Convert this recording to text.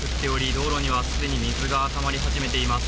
道路には既に水がたまり始めています。